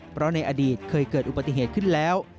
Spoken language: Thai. เพราะในอดีตเคยเกิดอุบัติเหตุขึ้นแล้ว